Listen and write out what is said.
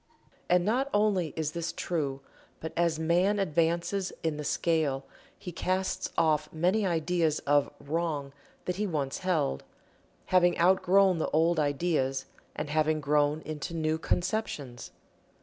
And not only is this true, but as man advances in the scale he casts off many ideas of "Wrong" that he once held, having outgrown the old ideas and having grown into new conceptions.